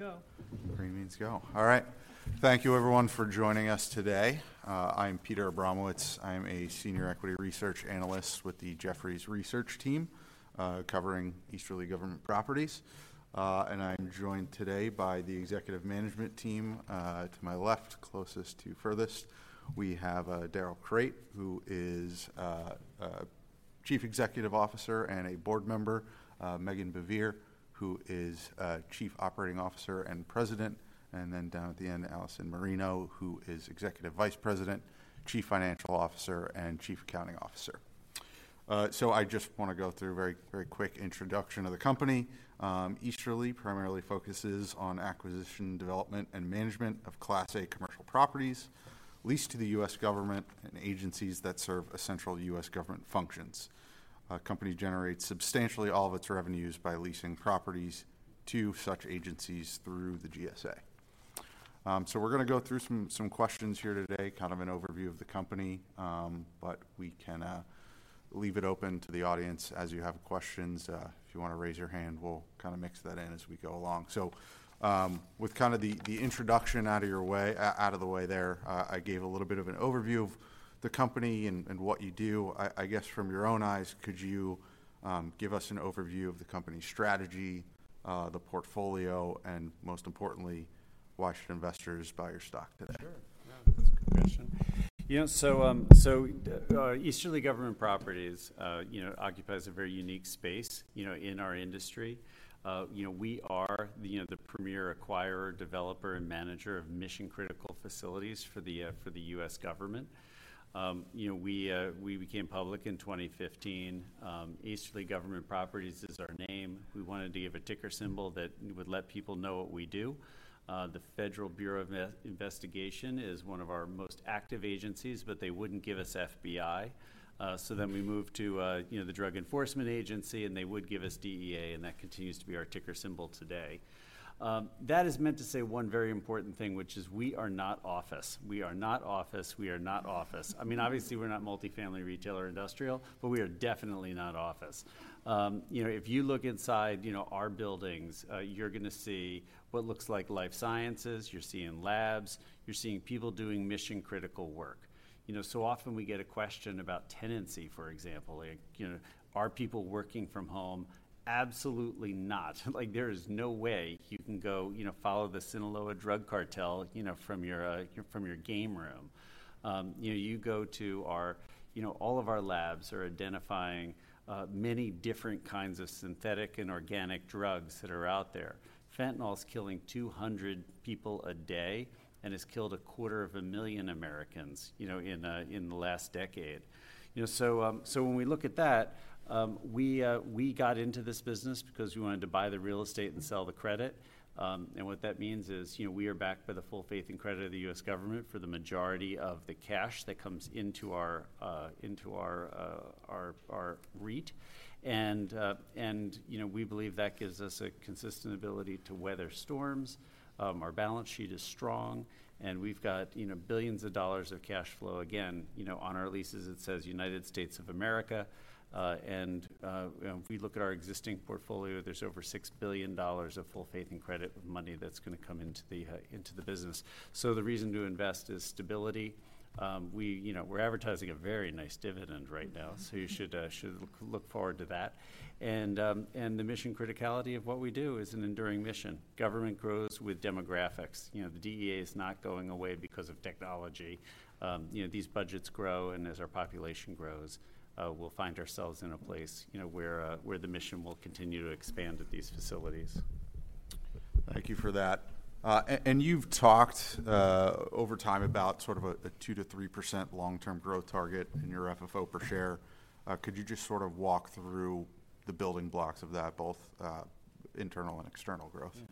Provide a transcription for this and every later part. ...Go. Green means go. All right. Thank you everyone for joining us today. I'm Peter Abramowitz. I'm a senior equity research analyst with the Jefferies research team, covering Easterly Government Properties. And I'm joined today by the executive management team. To my left, closest to furthest, we have Darrell Crate, who is Chief Executive Officer and a board member, Meghan Baivier, who is Chief Operating Officer and President, and then down at the end, Allison Marino, who is Executive Vice President, Chief Financial Officer, and Chief Accounting Officer. So I just wanna go through a very, very quick introduction of the company. Easterly primarily focuses on acquisition, development, and management of Class A commercial properties, leased to the U.S. government and agencies that serve essential U.S. government functions. Our company generates substantially all of its revenues by leasing properties to such agencies through the GSA. So we're gonna go through some questions here today, kind of an overview of the company, but we can leave it open to the audience as you have questions. If you wanna raise your hand, we'll kind of mix that in as we go along. So, with kind of the introduction out of the way, I gave a little bit of an overview of the company and what you do. I guess from your own eyes, could you give us an overview of the company's strategy, the portfolio, and most importantly, why should investors buy your stock today? Sure. Yeah, that's a good question. You know, so, Easterly Government Properties, you know, occupies a very unique space, you know, in our industry. You know, we are the, you know, the premier acquirer, developer, and manager of mission-critical facilities for the, for the U.S. government. You know, we, we became public in 2015. Easterly Government Properties is our name. We wanted to give a ticker symbol that would let people know what we do. The Federal Bureau of Investigation is one of our most active agencies, but they wouldn't give us FBI. So then we moved to, you know, the Drug Enforcement Agency, and they would give us DEA, and that continues to be our ticker symbol today. That is meant to say one very important thing, which is we are not office. We are not office. We are not office. I mean, obviously, we're not multifamily, retail or industrial, but we are definitely not office. You know, if you look inside, you know, our buildings, you're gonna see what looks like life sciences, you're seeing labs, you're seeing people doing mission-critical work. You know, so often we get a question about tenancy, for example. Like, you know, are people working from home? Absolutely not. Like, there is no way you can go, you know, follow the Sinaloa drug cartel, you know, from your, from your game room. You know, you go to our... You know, all of our labs are identifying, many different kinds of synthetic and organic drugs that are out there. Fentanyl is killing 200 people a day and has killed 250,000 Americans, you know, in the last decade. You know, so when we look at that, we got into this business because we wanted to buy the real estate and sell the credit. And what that means is, you know, we are backed by the full faith and credit of the U.S. government for the majority of the cash that comes into our REIT, and, you know, we believe that gives us a consistent ability to weather storms. Our balance sheet is strong, and we've got, you know, billions of dollars of cash flow. Again, you know, on our leases, it says United States of America. If we look at our existing portfolio, there's over $6 billion of full faith and credit money that's gonna come into the business. So the reason to invest is stability. We, you know, we're advertising a very nice dividend right now, so you should look forward to that. And the mission criticality of what we do is an enduring mission. Government grows with demographics. You know, the DEA is not going away because of technology. You know, these budgets grow, and as our population grows, we'll find ourselves in a place, you know, where the mission will continue to expand at these facilities. Thank you for that. And you've talked over time about sort of a 2%-3% long-term growth target in your FFO per share. Could you just sort of walk through the building blocks of that, both internal and external growth? Yeah.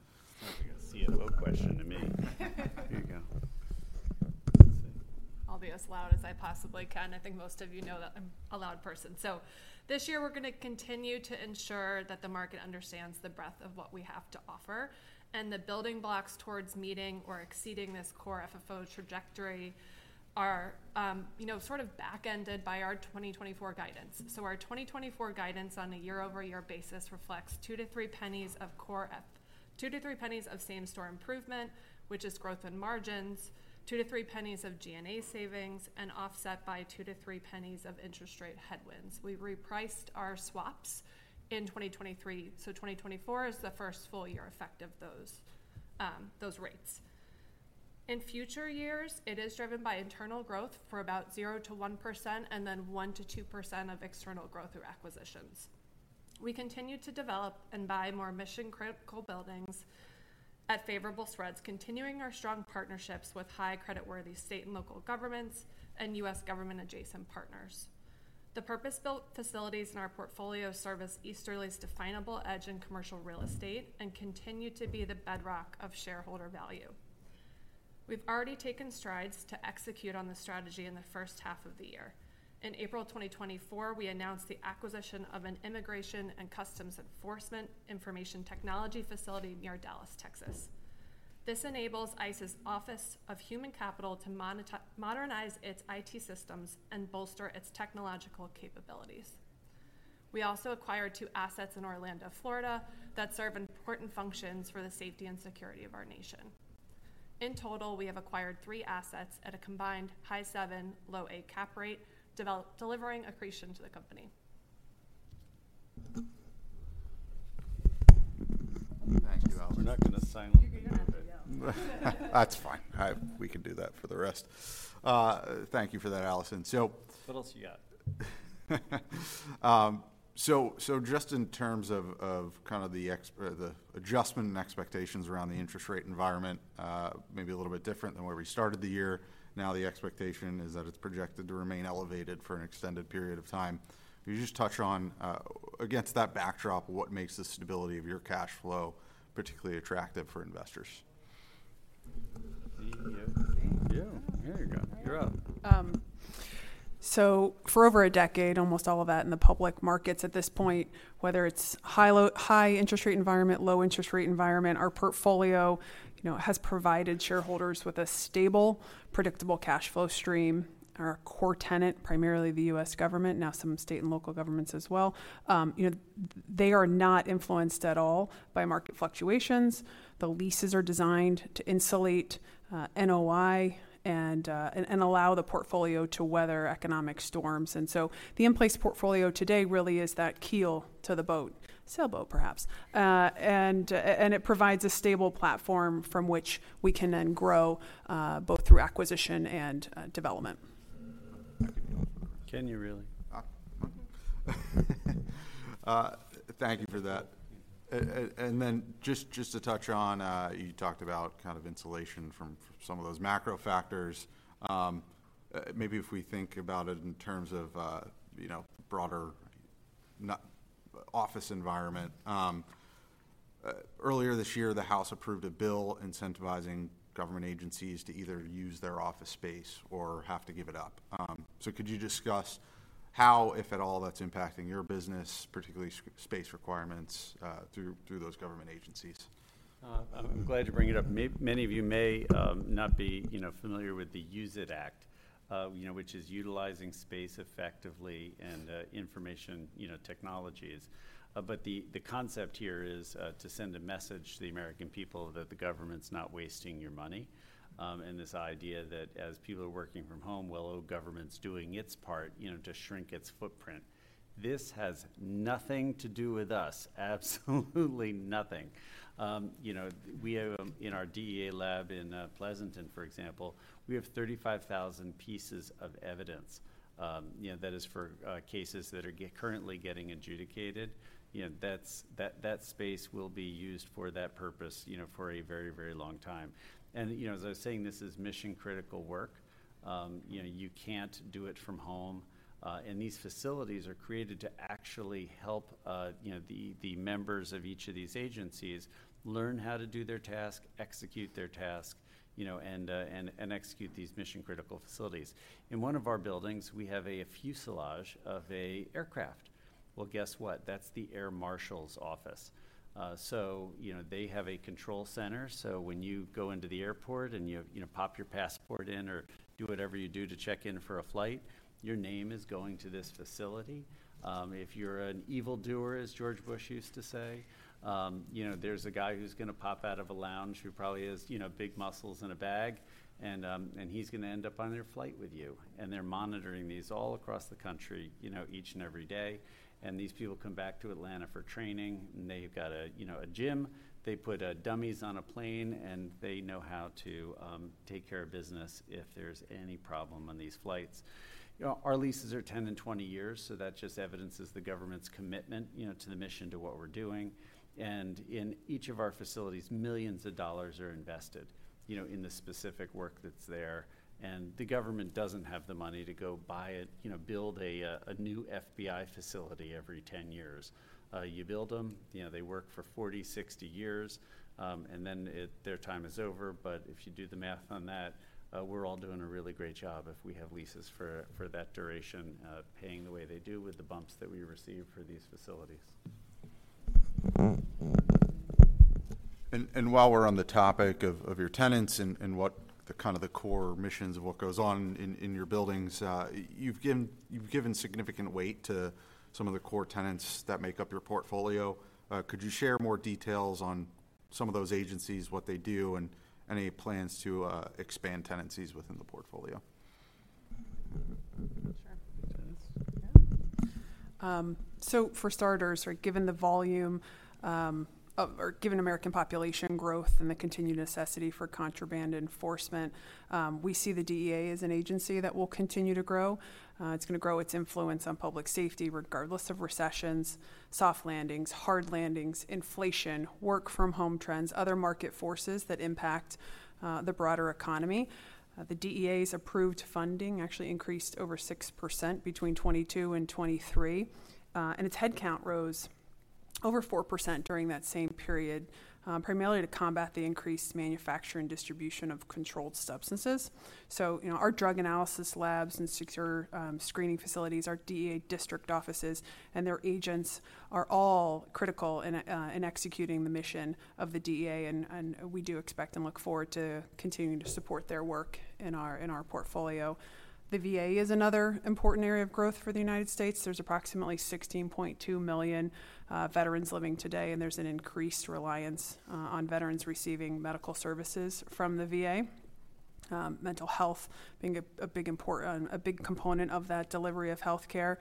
That's like a CFO question to me. Here you go. I'll be as loud as I possibly can. I think most of you know that I'm a loud person. So this year, we're gonna continue to ensure that the market understands the breadth of what we have to offer, and the building blocks towards meeting or exceeding this core FFO trajectory are, you know, sort of backended by our 2024 guidance. So our 2024 guidance on a year-over-year basis reflects two to three pennies of core FFO. Two to three pennies of same-store improvement, which is growth in margins, two to three pennies of G&A savings, and offset by two to three pennies of interest rate headwinds. We repriced our swaps in 2023, so 2024 is the first full year effect of those, those rates. In future years, it is driven by internal growth for about 0%-1% and then 1%-2% of external growth through acquisitions. We continue to develop and buy more mission-critical buildings at favorable spreads, continuing our strong partnerships with high creditworthy state and local governments and U.S. government-adjacent partners. The purpose-built facilities in our portfolio serve as Easterly's definable edge in commercial real estate and continue to be the bedrock of shareholder value. We've already taken strides to execute on the strategy in the first half of the year. In April 2024, we announced the acquisition of an Immigration and Customs Enforcement Information Technology facility near Dallas, Texas. This enables ICE's Office of Human Capital to modernize its IT systems and bolster its technological capabilities.... We also acquired two assets in Orlando, Florida, that serve important functions for the safety and security of our nation. In total, we have acquired three assets at a combined high seven, low eight cap rate, delivering accretion to the company. Thank you, Allison. We're not gonna sign them? You're gonna have to yell. That's fine. We can do that for the rest. Thank you for that, Allison. So, what else you got? So just in terms of kind of the adjustment and expectations around the interest rate environment, may be a little bit different than where we started the year. Now, the expectation is that it's projected to remain elevated for an extended period of time. Can you just touch on against that backdrop, what makes the stability of your cash flow particularly attractive for investors? See you. Yeah, there you go. You're up. So for over a decade, almost all of that in the public markets at this point, whether it's high interest rate environment, low interest rate environment, our portfolio, you know, has provided shareholders with a stable, predictable cash flow stream. Our core tenant, primarily the U.S. government, now some state and local governments as well, you know, they are not influenced at all by market fluctuations. The leases are designed to insulate NOI and allow the portfolio to weather economic storms. And so the in-place portfolio today really is that keel to the boat, sailboat perhaps. And it provides a stable platform from which we can then grow both through acquisition and development. Can you really? Thank you for that. And then just to touch on, you talked about kind of insulation from some of those macro factors. Maybe if we think about it in terms of, you know, broader office environment. Earlier this year, the House approved a bill incentivizing government agencies to either use their office space or have to give it up. So could you discuss how, if at all, that's impacting your business, particularly space requirements through those government agencies? I'm glad you bring it up. Many of you may not be, you know, familiar with the USE IT Act, you know, which is utilizing space effectively and information, you know, technologies. But the concept here is to send a message to the American people that the government's not wasting your money, and this idea that as people are working from home, well, oh, government's doing its part, you know, to shrink its footprint. This has nothing to do with us, absolutely nothing. You know, we have in our DEA lab in Pleasanton, for example, we have 35,000 pieces of evidence. You know, that is for cases that are currently getting adjudicated. You know, that's that space will be used for that purpose, you know, for a very, very long time. You know, as I was saying, this is mission-critical work. You know, you can't do it from home, and these facilities are created to actually help, you know, the members of each of these agencies learn how to do their task, execute their task, you know, and execute these mission-critical facilities. In one of our buildings, we have a fuselage of an aircraft. Well, guess what? That's the Air Marshals Office. So, you know, they have a control center, so when you go into the airport, and you, you know, pop your passport in or do whatever you do to check in for a flight, your name is going to this facility. If you're an evildoer, as George Bush used to say, you know, there's a guy who's gonna pop out of a lounge, who probably has, you know, big muscles and a bag, and, and he's gonna end up on their flight with you. They're monitoring these all across the country, you know, each and every day, and these people come back to Atlanta for training, and they've got a, you know, a gym. They put, dummies on a plane, and they know how to, take care of business if there's any problem on these flights. You know, our leases are 10 and 20 years, so that just evidences the government's commitment, you know, to the mission, to what we're doing. In each of our facilities, millions of dollars are invested, you know, in the specific work that's there, and the government doesn't have the money to go buy it, you know, build a, a new FBI facility every 10 years. You build them, you know, they work for 40, 60 years, and then their time is over. But if you do the math on that, we're all doing a really great job if we have leases for, for that duration, paying the way they do with the bumps that we receive for these facilities. While we're on the topic of your tenants and what kind of the core missions of what goes on in your buildings, you've given significant weight to some of the core tenants that make up your portfolio. Could you share more details on some of those agencies, what they do, and any plans to expand tenancies within the portfolio? Sure. So for starters, right, given the volume, or given American population growth and the continued necessity for contraband enforcement, we see the DEA as an agency that will continue to grow. It's gonna grow its influence on public safety, regardless of recessions, soft landings, hard landings, inflation, work from home trends, other market forces that impact, the broader economy. The DEA's approved funding actually increased over 6% between 2022 and 2023, and its headcount rose over 4% during that same period, primarily to combat the increased manufacture and distribution of controlled substances. So, you know, our drug analysis labs and secure screening facilities, our DEA district offices, and their agents are all critical in executing the mission of the DEA, and we do expect and look forward to continuing to support their work in our portfolio. The VA is another important area of growth for the United States. There's approximately 16.2 million veterans living today, and there's an increased reliance on veterans receiving medical services from the VA. Mental health being a big component of that delivery of healthcare.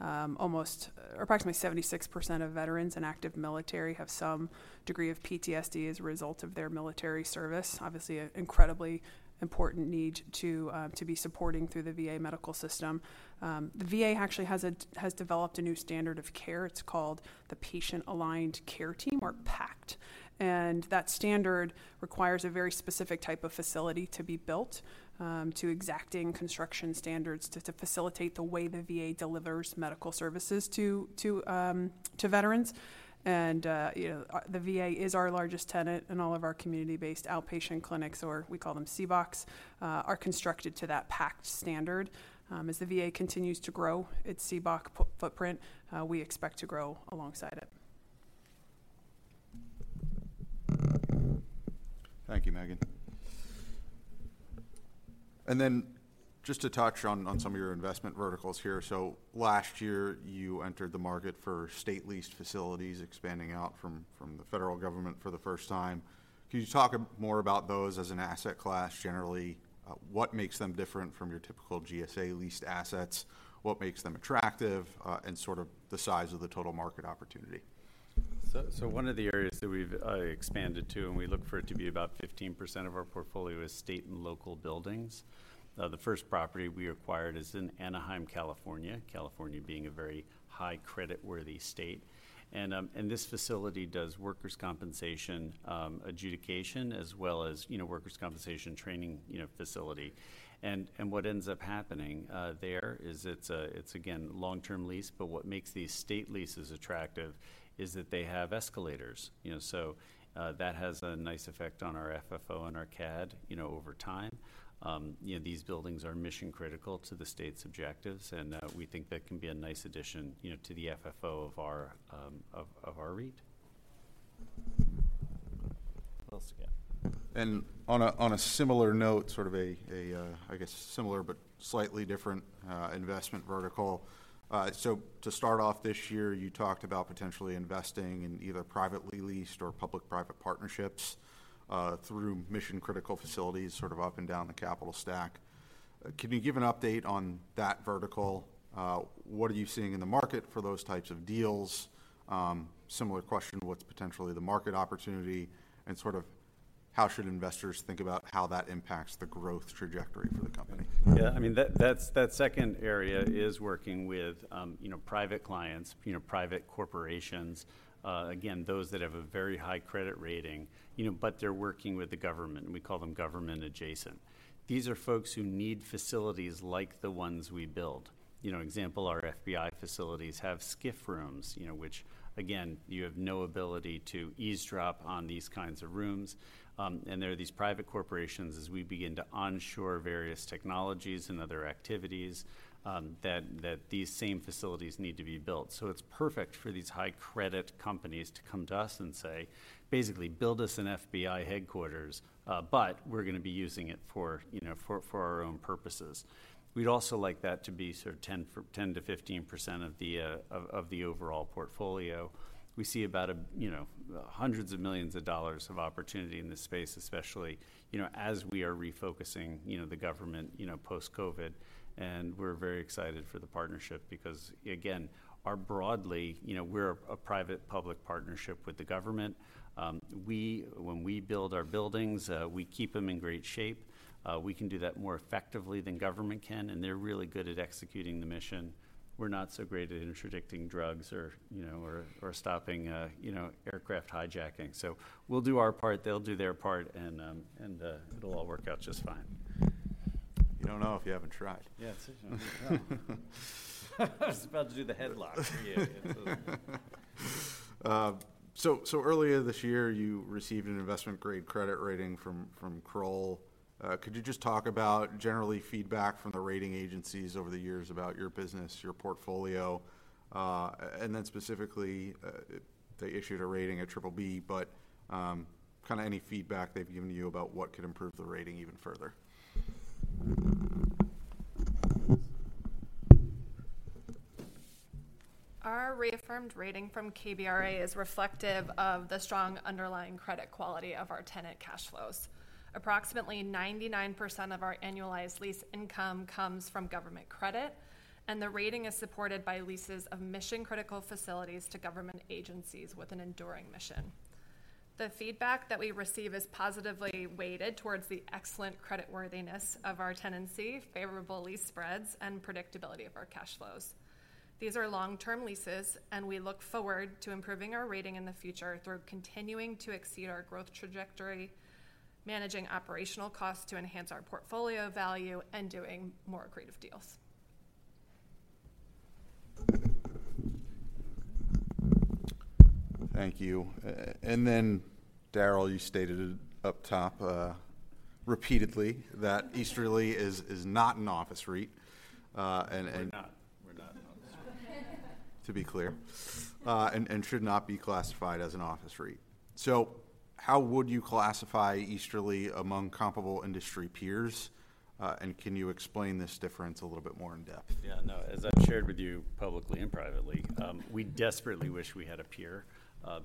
Approximately 76% of veterans in active military have some degree of PTSD as a result of their military service. Obviously, an incredibly important need to be supporting through the VA medical system. The VA actually has developed a new standard of care. It's called the Patient Aligned Care Team, or PACT, and that standard requires a very specific type of facility to be built to exacting construction standards to facilitate the way the VA delivers medical services to veterans. And, you know, the VA is our largest tenant in all of our community-based outpatient clinics, or we call them CBOCs, are constructed to that PACT standard. As the VA continues to grow its CBOC footprint, we expect to grow alongside it. Thank you, Meghan. Then just to touch on some of your investment verticals here. So last year, you entered the market for state-leased facilities, expanding out from the federal government for the first time. Can you talk more about those as an asset class? Generally, what makes them different from your typical GSA leased assets? What makes them attractive, and sort of the size of the total market opportunity. So, one of the areas that we've expanded to, and we look for it to be about 15% of our portfolio, is state and local buildings. The first property we acquired is in Anaheim, California. California being a very high creditworthy state. And this facility does workers' compensation adjudication, as well as, you know, workers' compensation training, you know, facility. And what ends up happening there is it's a, it's again, long-term lease, but what makes these state leases attractive is that they have escalators. You know, so that has a nice effect on our FFO and our CAD, you know, over time. You know, these buildings are mission critical to the state's objectives, and we think that can be a nice addition, you know, to the FFO of our REIT. Else again. On a similar note, sort of a I guess similar but slightly different investment vertical. So to start off this year, you talked about potentially investing in either privately leased or public-private partnerships through mission-critical facilities, sort of up and down the capital stack. Can you give an update on that vertical? What are you seeing in the market for those types of deals? Similar question, what's potentially the market opportunity, and sort of how should investors think about how that impacts the growth trajectory for the company? Yeah, I mean, that, that's, that second area is working with, you know, private clients, you know, private corporations. Again, those that have a very high credit rating, you know, but they're working with the government, and we call them government adjacent. These are folks who need facilities like the ones we build. You know, example, our FBI facilities have SCIF rooms, you know, which again, you have no ability to eavesdrop on these kinds of rooms. And there are these private corporations, as we begin to onshore various technologies and other activities, that, that these same facilities need to be built. So it's perfect for these high credit companies to come to us and say, basically: "Build us an FBI headquarters, but we're gonna be using it for, you know, for our own purposes." We'd also like that to be sort of 10%-15% of the overall portfolio. We see about, you know, hundreds of millions of dollars of opportunity in this space, especially, you know, as we are refocusing, you know, the government, you know, post-COVID. And we're very excited for the partnership because, again, our broadly, you know, we're a private-public partnership with the government. When we build our buildings, we keep them in great shape. We can do that more effectively than government can, and they're really good at executing the mission. We're not so great at interdicting drugs or, you know, or, or stopping, you know, aircraft hijacking. So we'll do our part, they'll do their part, and it'll all work out just fine. You don't know if you haven't tried. Yeah, it's... I was about to do the headlock. Yeah, absolutely. So earlier this year, you received an investment-grade credit rating from Kroll. Could you just talk about generally feedback from the rating agencies over the years about your business, your portfolio? And then specifically, they issued a rating, a Triple B, but kinda any feedback they've given to you about what could improve the rating even further. Our reaffirmed rating from KBRA is reflective of the strong underlying credit quality of our tenant cash flows. Approximately 99% of our annualized lease income comes from government credit, and the rating is supported by leases of mission-critical facilities to government agencies with an enduring mission. The feedback that we receive is positively weighted towards the excellent creditworthiness of our tenancy, favorable lease spreads, and predictability of our cash flows. These are long-term leases, and we look forward to improving our rating in the future through continuing to exceed our growth trajectory, managing operational costs to enhance our portfolio value, and doing more accretive deals. Thank you. And then, Darrell, you stated up top, repeatedly, that Easterly is not an office REIT, and We're not.... To be clear, and should not be classified as an office REIT. So how would you classify Easterly among comparable industry peers? And can you explain this difference a little bit more in depth? Yeah, no. As I've shared with you publicly and privately, we desperately wish we had a peer,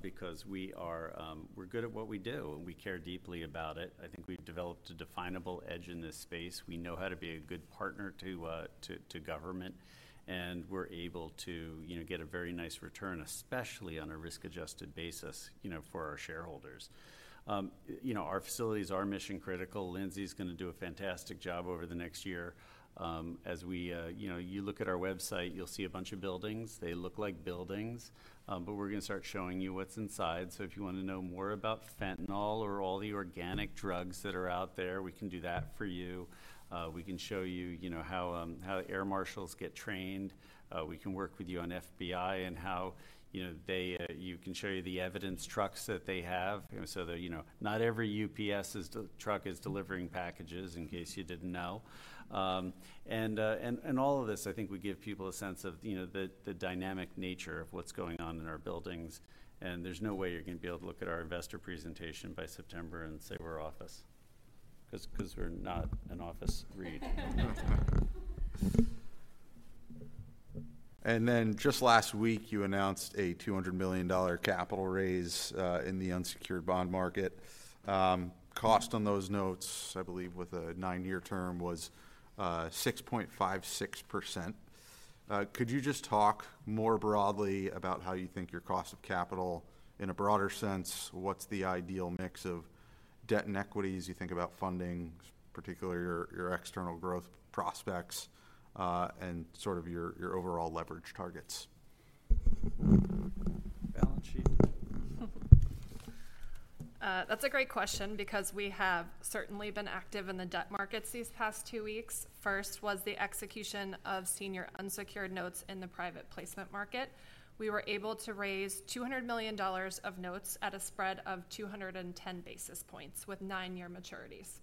because we are... We're good at what we do, and we care deeply about it. I think we've developed a definable edge in this space. We know how to be a good partner to government, and we're able to, you know, get a very nice return, especially on a risk-adjusted basis, you know, for our shareholders. You know, our facilities are mission-critical. Lindsay's gonna do a fantastic job over the next year. As we, you know, you look at our website, you'll see a bunch of buildings. They look like buildings, but we're gonna start showing you what's inside. So if you wanna know more about fentanyl or all the organic drugs that are out there, we can do that for you. We can show you, you know, how air marshals get trained. We can work with you on FBI and how, you know, they... You can show you the evidence trucks that they have. So that, you know, not every UPS's truck is delivering packages, in case you didn't know. And all of this, I think, will give people a sense of, you know, the dynamic nature of what's going on in our buildings, and there's no way you're gonna be able to look at our investor presentation by September and say we're office, 'cause we're not an office REIT. Then, just last week, you announced a $200 million capital raise in the unsecured bond market. Cost on those notes, I believe, with a nine-year term, was 6.56%. Could you just talk more broadly about how you think your cost of capital... In a broader sense, what's the ideal mix of debt and equities you think about funding, particularly your, your external growth prospects, and sort of your, your overall leverage targets? Balance sheet. That's a great question because we have certainly been active in the debt markets these past two weeks. First was the execution of senior unsecured notes in the private placement market. We were able to raise $200 million of notes at a spread of 210 basis points, with nine-year maturities.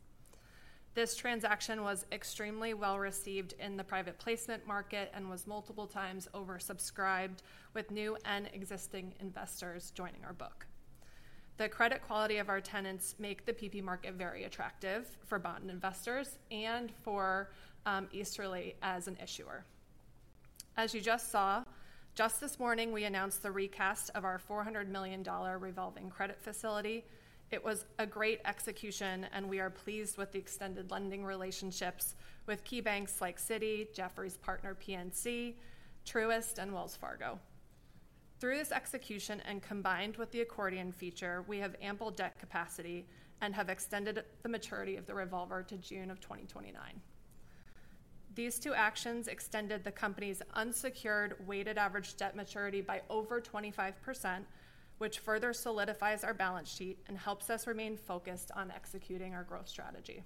This transaction was extremely well-received in the private placement market and was multiple times oversubscribed, with new and existing investors joining our book. The credit quality of our tenants make the PP market very attractive for bought-in investors and for Easterly as an issuer. As you just saw, just this morning, we announced the recast of our $400 million revolving credit facility. It was a great execution, and we are pleased with the extended lending relationships with key banks like Citi, Jefferies’ partner, Truist, and Wells Fargo. Through this execution, and combined with the accordion feature, we have ample debt capacity and have extended the maturity of the revolver to June 2029. These two actions extended the company's unsecured weighted average debt maturity by over 25%, which further solidifies our balance sheet and helps us remain focused on executing our growth strategy.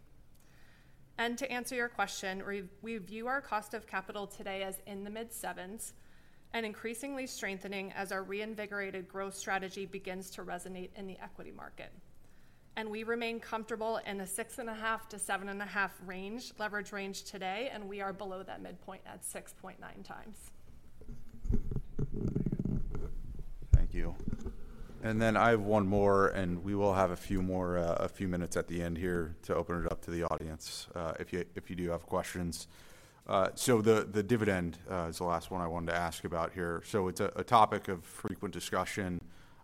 To answer your question, we view our cost of capital today as in the mid-7s and increasingly strengthening as our reinvigorated growth strategy begins to resonate in the equity market. We remain comfortable in the 6.5-7.5 range, leverage range today, and we are below that midpoint at 6.9x. Thank you. And then I have one more, and we will have a few more, a few minutes at the end here to open it up to the audience, if you do have questions. So the dividend is the last one I wanted to ask about here. So it's a topic of frequent discussion,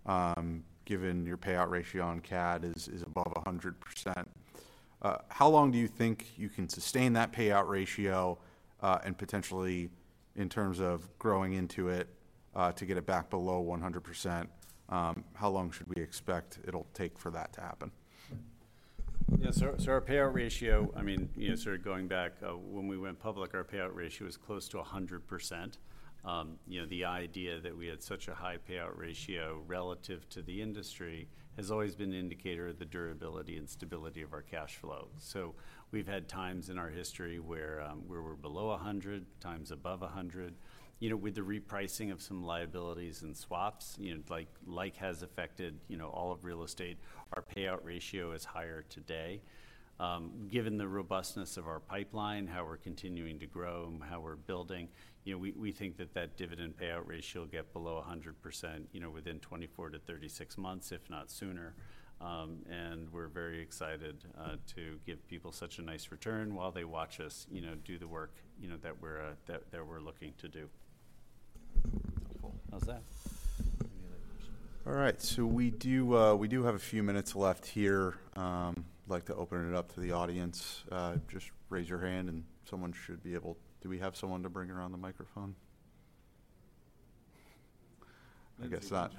given your payout ratio on CAD is above 100%. How long do you think you can sustain that payout ratio, and potentially, in terms of growing into it, to get it back below 100%, how long should we expect it'll take for that to happen? Yeah. So, so our payout ratio, I mean, you know, sort of going back, when we went public, our payout ratio was close to 100%. You know, the idea that we had such a high payout ratio relative to the industry has always been an indicator of the durability and stability of our cash flow. So we've had times in our history where, where we're below 100, times above 100. You know, with the repricing of some liabilities and swaps, you know, like, like has affected, you know, all of real estate, our payout ratio is higher today. Given the robustness of our pipeline, how we're continuing to grow, and how we're building, you know, we, we think that that dividend payout ratio will get below 100%, you know, within 24-36 months, if not sooner. We're very excited to give people such a nice return while they watch us, you know, do the work, you know, that we're looking to do. How's that? Any other questions? All right, so we do, we do have a few minutes left here. I'd like to open it up to the audience. Just raise your hand, and someone should be able. Do we have someone to bring around the microphone? I guess not.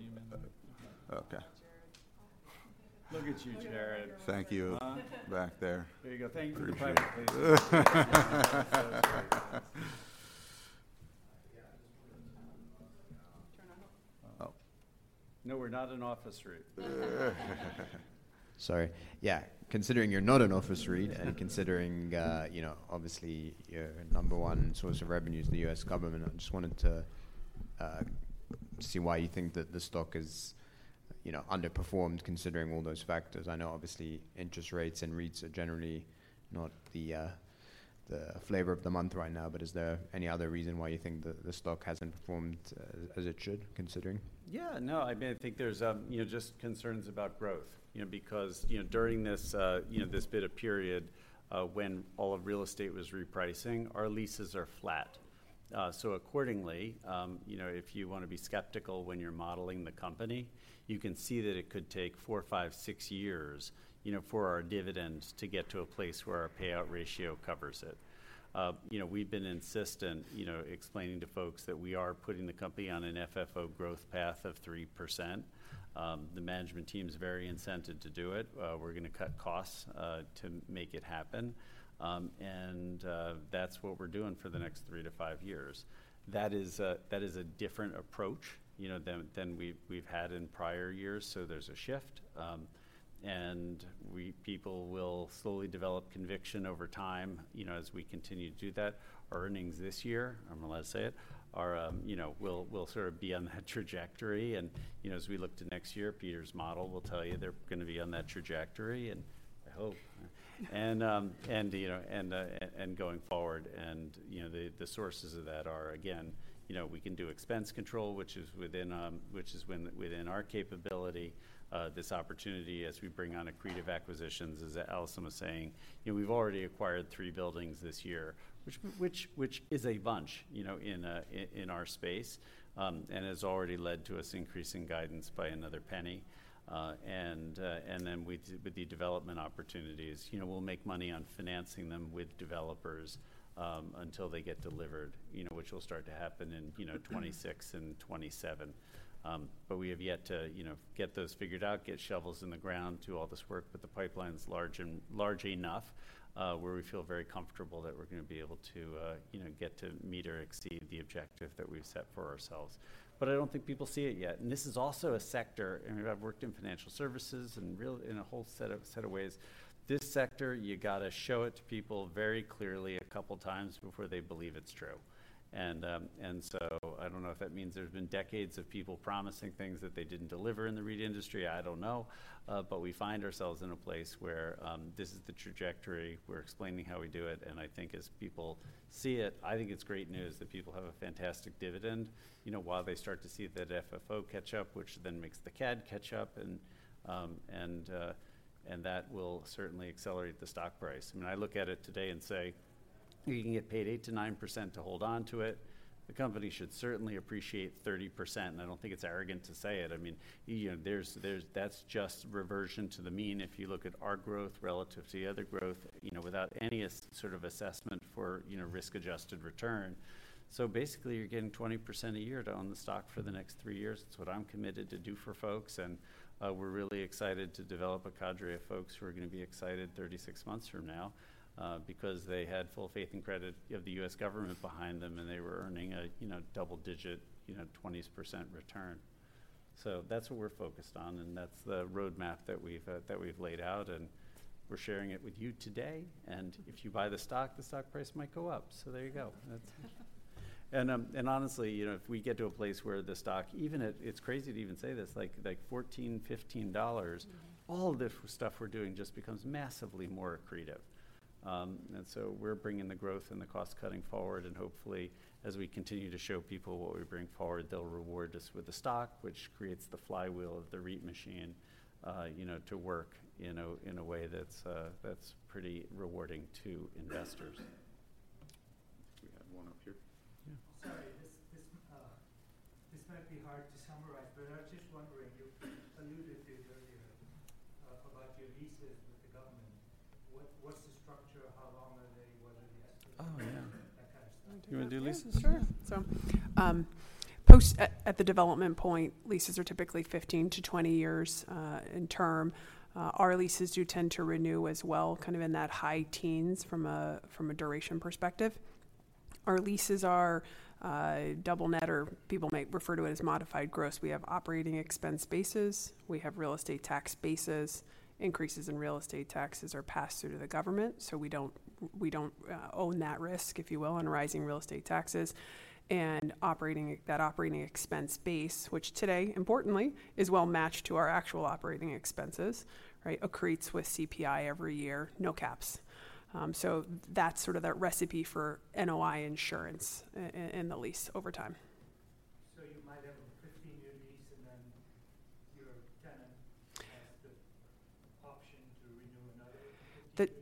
You came in. Okay. Jared. Look at you, Jared. Thank you. Huh? Back there. There you go. Thank you for the private placement. Turn it on. Oh, no, we're not an office REIT. Sorry. Yeah. Considering you're not an office REIT, and considering, you know, obviously, your number one source of revenue is the U.S. government, I just wanted to-... see why you think that the stock is, you know, underperformed, considering all those factors. I know obviously, interest rates and REITs are generally not the flavor of the month right now, but is there any other reason why you think the stock hasn't performed as it should, considering? Yeah, no, I mean, I think there's, you know, just concerns about growth. You know, because, you know, during this, you know, this bit of period, when all of real estate was repricing, our leases are flat. So accordingly, you know, if you want to be skeptical when you're modeling the company, you can see that it could take four, five, six years, you know, for our dividend to get to a place where our payout ratio covers it. You know, we've been insistent, you know, explaining to folks that we are putting the company on an FFO growth path of 3%. The management team is very incented to do it. We're gonna cut costs, to make it happen. And, that's what we're doing for the next three to five years. That is a different approach, you know, than we've had in prior years, so there's a shift. People will slowly develop conviction over time, you know, as we continue to do that. Our earnings this year, I'm allowed to say it, are, you know, will sort of be on that trajectory. And, you know, as we look to next year, Peter's model will tell you they're gonna be on that trajectory, and I hope. And going forward, you know, the sources of that are, again, you know, we can do expense control, which is within our capability. This opportunity, as we bring on accretive acquisitions, as Allison was saying, you know, we've already acquired three buildings this year, which is a bunch, you know, in our space and has already led to us increasing guidance by another $0.01. And then with the development opportunities, you know, we'll make money on financing them with developers until they get delivered, you know, which will start to happen in 2026 and 2027. But we have yet to, you know, get those figured out, get shovels in the ground, do all this work, but the pipeline's large and large enough where we feel very comfortable that we're gonna be able to, you know, get to meet or exceed the objective that we've set for ourselves. But I don't think people see it yet. This is also a sector... I mean, I've worked in financial services and real- in a whole set of ways. This sector, you gotta show it to people very clearly a couple times before they believe it's true. So I don't know if that means there's been decades of people promising things that they didn't deliver in the REIT industry, I don't know. But we find ourselves in a place where this is the trajectory, we're explaining how we do it, and I think as people see it, I think it's great news that people have a fantastic dividend, you know, while they start to see that FFO catch up, which then makes the CAD catch up, and that will certainly accelerate the stock price. I mean, I look at it today and say, "You can get paid 8%-9% to hold on to it. The company should certainly appreciate 30%." And I don't think it's arrogant to say it. I mean, you know, there's—that's just reversion to the mean. If you look at our growth relative to the other growth, you know, without any a sort of assessment for, you know, risk-adjusted return. So basically, you're getting 20% a year to own the stock for the next three years. It's what I'm committed to do for folks, and we're really excited to develop a cadre of folks who are gonna be excited 36 months from now, because they had full faith and credit of the U.S. government behind them, and they were earning a, you know, double digit, you know, 20% return. So that's what we're focused on, and that's the roadmap that we've laid out, and we're sharing it with you today, and if you buy the stock, the stock price might go up. So there you go. And, and honestly, you know, if we get to a place where the stock, even at... It's crazy to even say this, like $14-$15. Mm-hmm. All the different stuff we're doing just becomes massively more accretive. And so we're bringing the growth and the cost cutting forward, and hopefully, as we continue to show people what we bring forward, they'll reward us with the stock, which creates the flywheel of the REIT machine, you know, to work in a way that's pretty rewarding to investors. We have one up here. Yeah. Sorry, this might be hard to summarize, but I was just wondering, you alluded to it earlier, about your leases with the government. What's the structure? How long are they, whether they are- Oh, yeah. That kind of stuff. You wanna do leases? Yeah, sure. So, post at the development point, leases are typically 15-20 years in term. Our leases do tend to renew as well, kind of in that high teens from a duration perspective. Our leases are double net, or people might refer to it as modified gross. We have operating expense bases, we have real estate tax bases. Increases in real estate taxes are passed through to the government, so we don't own that risk, if you will, on rising real estate taxes. And that operating expense base, which today, importantly, is well matched to our actual operating expenses, right? Accretes with CPI every year, no caps. So that's sort of that recipe for NOI insurance in the lease over time. So you might have a 15-year lease, and then your tenant has the option to renew another 15 years?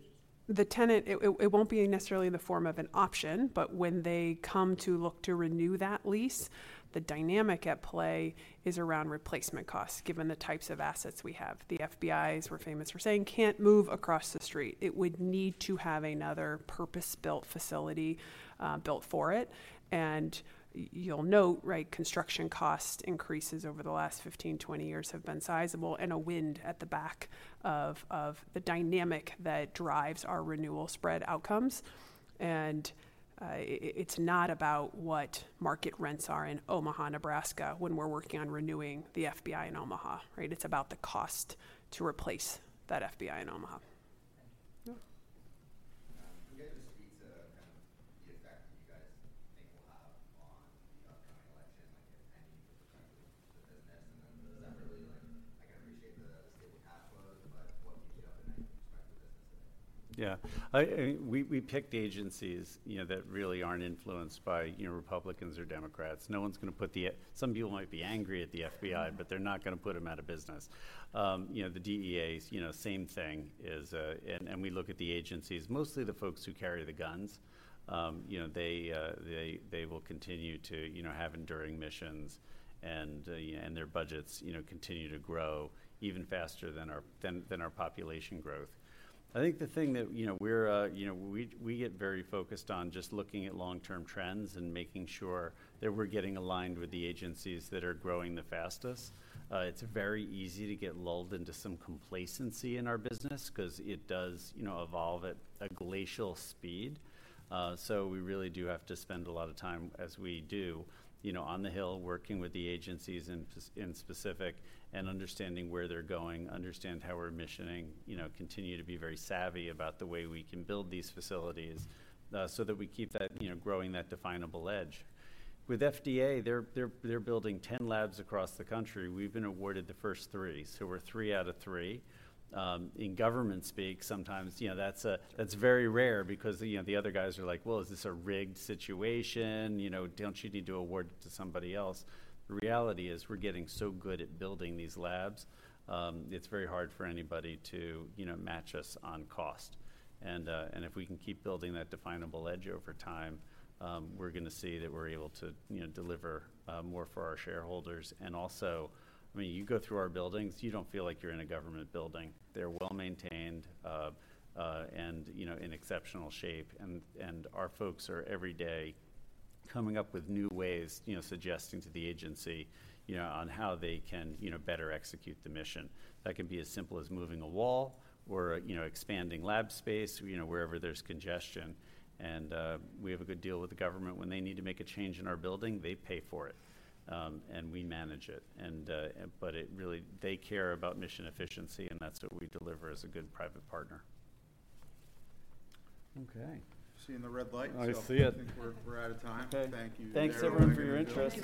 The tenant, it won't be necessarily in the form of an option, but when they come to look to renew that lease, the dynamic at play is around replacement costs, given the types of assets we have. The FBI's, we're famous for saying, can't move across the street. It would need to have another purpose-built facility built for it. And you'll note, right, construction cost increases over the last 15-20 years have been sizable, and a wind at the back of the dynamic that drives our renewal spread outcomes. And it's not about what market rents are in Omaha, Nebraska, when we're working on renewing the FBI in Omaha, right? It's about the cost to replace that FBI in Omaha. Thank you. Yeah. ...to kind of the effect that you guys think will have on the upcoming election, like if any, with respect to the business? And then does that really, like, I can appreciate the stable cash flow, but what keeps you up at night with respect to the business? Yeah. We picked agencies, you know, that really aren't influenced by, you know, Republicans or Democrats. No one's gonna put the--some people might be angry at the FBI, but they're not gonna put them out of business. You know, the DEA's the same thing. We look at the agencies, mostly the folks who carry the guns, you know, they will continue to, you know, have enduring missions and, yeah, and their budgets, you know, continue to grow even faster than our population growth. I think the thing that, you know, we get very focused on just looking at long-term trends and making sure that we're getting aligned with the agencies that are growing the fastest. It's very easy to get lulled into some complacency in our business 'cause it does, you know, evolve at a glacial speed. So we really do have to spend a lot of time, as we do, you know, on the Hill, working with the agencies in specific and understanding where they're going, understand how we're missioning, you know, continue to be very savvy about the way we can build these facilities, so that we keep that, you know, growing that definable edge. With FDA, they're building 10 labs across the country. We've been awarded the first three, so we're three out of three. In government speak, sometimes, you know, that's a, that's very rare because, you know, the other guys are like: "Well, is this a rigged situation? You know, don't you need to award it to somebody else?" The reality is, we're getting so good at building these labs, it's very hard for anybody to, you know, match us on cost. And, and if we can keep building that definable edge over time, we're gonna see that we're able to, you know, deliver, more for our shareholders. And also, I mean, you go through our buildings, you don't feel like you're in a government building. They're well-maintained, and, you know, in exceptional shape, and, and our folks are every day coming up with new ways, you know, suggesting to the agency, you know, on how they can, you know, better execute the mission. That can be as simple as moving a wall or, you know, expanding lab space, you know, wherever there's congestion. We have a good deal with the government. When they need to make a change in our building, they pay for it, and we manage it, but it really, they care about mission efficiency, and that's what we deliver as a good private partner. Okay. Seeing the red light, so- I see it. I think we're out of time. Okay. Thank you. Thanks, everyone, for your interest.